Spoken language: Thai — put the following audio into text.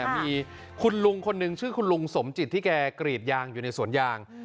มีชื่อคุณลุงกรมสมจิตที่กรีดยางอยู่ในสวนยาง